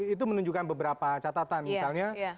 itu menunjukkan beberapa catatan misalnya